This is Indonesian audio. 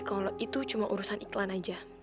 kalau itu cuma urusan iklan aja